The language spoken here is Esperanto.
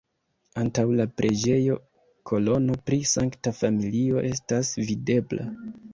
Antaŭ la preĝejo kolono pri Sankta Familio estas videbla.